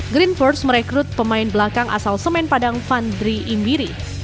green force merekrut pemain belakang asal semen padang vandri imbiri